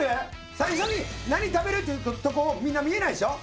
最初に何食べるってとこをみんな見えないでしょ？